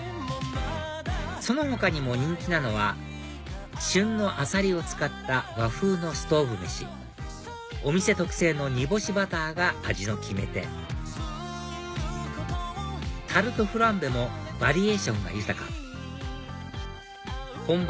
その他にも人気なのは旬のアサリを使った和風のストウブ飯お店特製の煮干しバターが味の決め手タルトフランベもバリエーションが豊か本場